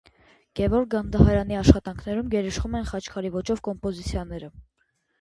Գևորգ Գանդահարյանի աշխատանքներում գերիշխում են խաչքարերի ոճով կոմպոզիցիաները։